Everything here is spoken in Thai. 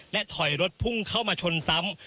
และถอยรถพุ่งเข้ามาชนซ้ำ